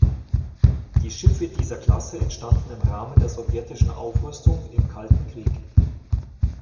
Die Schiffe dieser Klasse entstanden im Rahmen der sowjetischen Aufrüstung im Kalten Krieg.